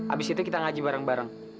abis itu kita ngaji bareng bareng